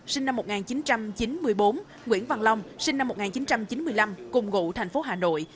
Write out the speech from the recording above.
sinh năm một nghìn chín trăm chín mươi bốn nguyễn văn long sinh năm một nghìn chín trăm chín mươi năm cùng ngụ thành phố hà nội